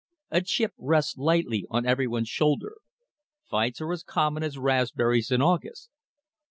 A chip rests lightly on everyone's shoulder. Fights are as common as raspberries in August.